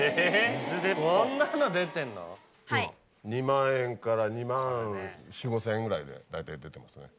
２万円から２万４０００５０００円ぐらいで大体出てますね。